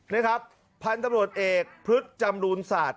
นี่ครับพันธุ์ตำรวจเอกพฤษจำรูนศาสตร์